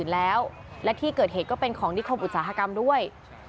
แล้วและที่เกิดเหตุก็เป็นของนิคมอุตสาหกรรมด้วย